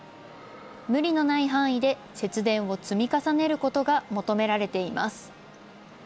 無理のない範囲で節電を積み重ねることが求められています。